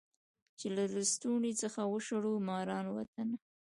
چي له لستوڼي څخه وشړو ماران وطنه